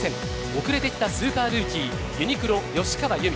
遅れてきたスーパールーキーユニクロ・吉川侑美。